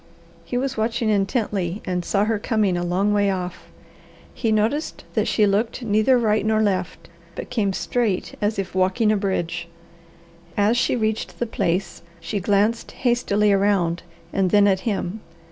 He was watching intently and saw her coming a long way off. He noticed that she looked neither right nor left, but came straight as if walking a bridge. As she reached the place she glanced hastily around and then at him.